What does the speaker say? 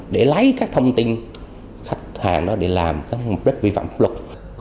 để lấy các thông tin khách hàng đó để làm mục đích vi phạm pháp luật